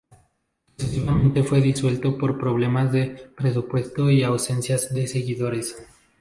Sucesivamente fue disuelto por problemas de presupuesto y ausencia de seguidores.